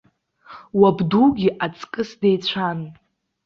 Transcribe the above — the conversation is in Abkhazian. Уабдугьы аҵкыс деицәан.